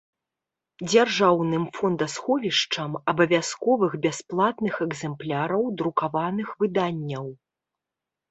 Дзяржаўным фондасховiшчам абавязковых бясплатных экзэмпляраў друкаваных выданняў.